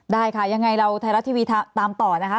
ได้ค่ะยังไงเราไทยรัฐทีวีตามต่อนะคะ